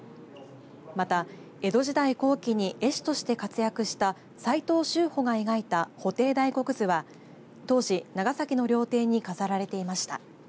また、江戸時代後期に絵師として活躍した斎藤秋圃が描いた布袋・大黒図は当時、長崎の料亭に飾られていました。